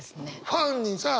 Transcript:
ファンにさ